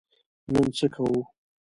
نن څه کوو؟